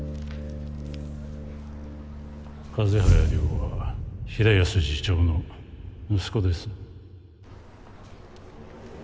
風早涼は平安次長の息子です